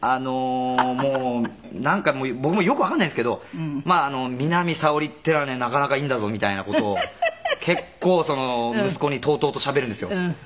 「もうなんか僕もよくわかんないんですけど“南沙織っていうのはねなかなかいいんだぞ”みたいな事を結構息子にとうとうとしゃべるんですよ」